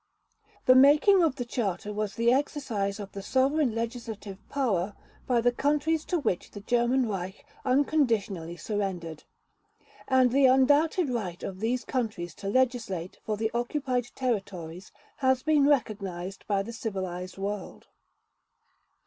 The making of the Charter was the exercise of the sovereign legislative power by the countries to which the German Reich unconditionally surrendered; and the undoubted right of these countries to legislate for the occupied territories has been recognized by the civilized world.